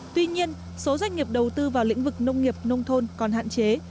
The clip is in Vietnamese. tuy nhiên số doanh nghiệp đầu tư vào lĩnh vực nông nghiệp nông thôn còn hạn chế